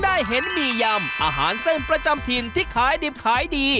ได้เห็นหมี่ยำอาหารเส้นประจำถิ่นที่ขายดิบขายดี